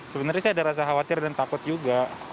sebenarnya saya ada rasa khawatir dan takut juga